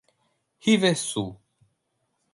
Riversul